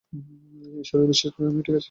ঈশ্বরী, বিশ্বাস করো আমি ঠিক আছি।